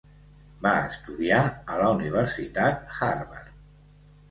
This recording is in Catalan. Va estudiar a la Universitat Harvard.